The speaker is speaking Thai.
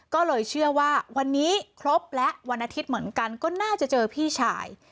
ก็เลยเชื่อว่าวันนี้ครบและวันอาทิตย์เหมือนกันก็น่าจะเจอพี่ชาย